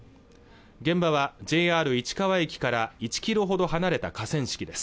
現場はＪＲ市川駅から１キロほど離れた河川敷です